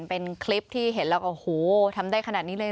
เป็นคลิปที่เห็นแล้วก็โอ้โหทำได้ขนาดนี้เลย